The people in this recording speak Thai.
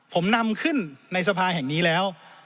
ผมนำขึ้นในสภาแห่งนี้แล้ว